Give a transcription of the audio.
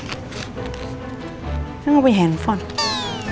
ini kenapa punya handphone